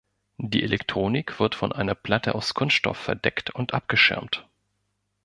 Die Elektronik wird von einer Platte aus Kunststoff verdeckt und abgeschirmt.